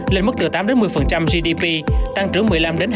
lên mức từ tám một mươi gdp tăng trưởng một mươi năm hai mươi